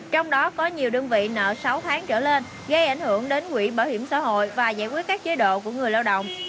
trong đó có nhiều đơn vị nợ sáu tháng trở lên gây ảnh hưởng đến quỹ bảo hiểm xã hội và giải quyết các chế độ của người lao động